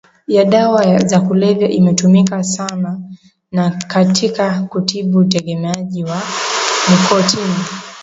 ya dawa za kulevya imetumika sana ni katika kutibu utegemeaji wa nikotini